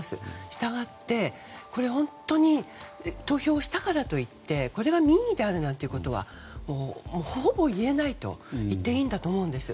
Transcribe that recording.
したがって、これは本当に投票したからといってこれは民意であるということはほぼ言えないと言っていいんだと思うんです。